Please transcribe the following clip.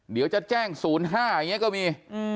เดี๋ยวจะแจ้ง๐๕อย่างนี้ก็มี